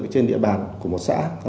trên địa bàn của một xã